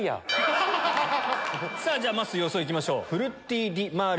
さぁまっすー予想いきましょう。